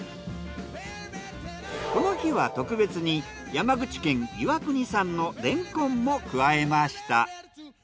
この日は特別に山口県岩国産のレンコンも加えました。